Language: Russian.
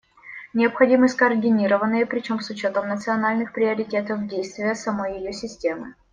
Необходимы скоординированные, причем с учетом национальных приоритетов, действия самой ее системы.